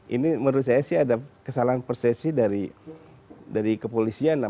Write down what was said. ini menurut saya sih ada kesalahan persepsi dari kepolisian